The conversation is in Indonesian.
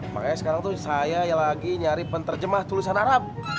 makanya sekarang tuh saya lagi nyari penterjemah tulisan arab